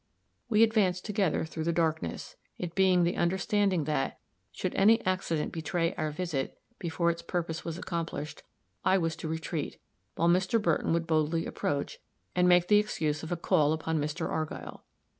We advanced together through the darkness, it being the understanding that, should any accident betray our visit, before its purpose was accomplished, I was to retreat, while Mr. Burton would boldly approach and make the excuse of a call upon Mr. Argyll.